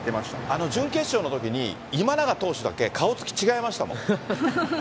あの準決勝のときに、今永投手だけ顔つき違いましたもん。